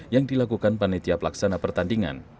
yang dilakukan panitia pelaksana pertandingan